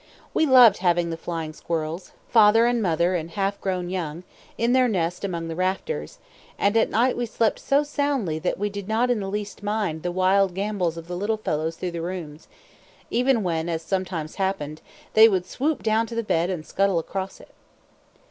We loved having the flying squirrels, father and mother and half grown young, in their nest among the rafters; and at night we slept so soundly that we did not in the least mind the wild gambols of the little fellows through the rooms, even when, as sometimes happened, they would swoop down to the bed and scuttle across it.